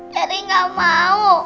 jerry enggak mau